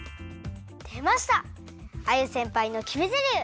でましたアユせんぱいのきめゼリフ！